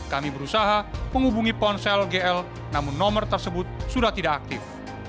kami berusaha menghubungi ponsel gl namun nomor tersebut sudah tidak aktif